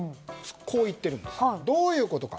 こう言っているんです。